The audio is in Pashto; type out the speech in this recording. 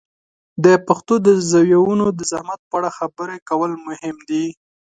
د پښتو د زویانو د زحمت په اړه خبرې کول مهم دي.